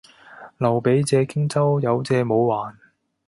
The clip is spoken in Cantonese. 劉備借荊州，有借冇還